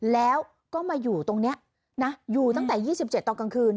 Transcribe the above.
แล้วก็มาอยู่ตรงนี้นะอยู่ตั้งแต่๒๗ตอนกลางคืน